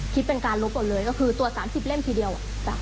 ก็คือตรวจ๓๐เล่มทีเดียว